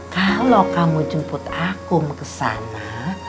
kalau kamu jemput aku kesana